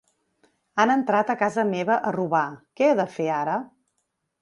Han entrat a casa meva a roba, què he de fer ara?